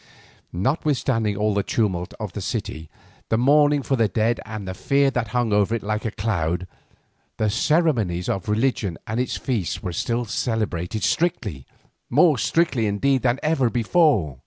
Notwithstanding all the tumult in the city, the mourning for the dead and the fear that hung over it like a cloud, the ceremonies of religion and its feasts were still celebrated strictly, more strictly indeed than ever before.